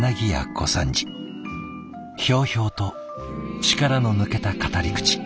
ひょうひょうと力の抜けた語り口。